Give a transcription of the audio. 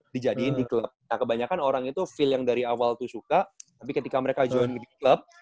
dijadiin di klub nah kebanyakan orang itu feel yang dari awal tuh suka tapi ketika mereka join di klub